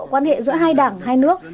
quan hệ giữa hai đảng hai nước